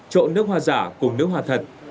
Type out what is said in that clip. trộn nước hoa giả cùng nước hoa thật